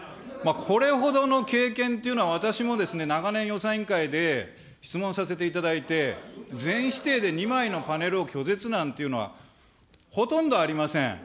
これほどの経験というのは、私もですね、長年、予算委員会で質問させていただいて、全否定で２枚のパネルを拒絶なんていうのはほとんどありません。